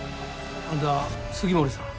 あんた杉森さん？